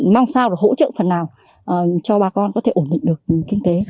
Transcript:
mong sao là hỗ trợ phần nào cho bà con có thể ổn định được kinh tế